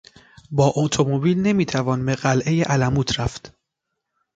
با اتومبیل نمیتوان به قلعهی الموت رفت.